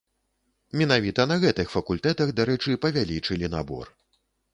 Менавіта на гэтых факультэтах, дарэчы, павялічылі набор.